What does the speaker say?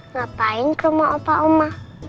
ngapain ke rumah opa oma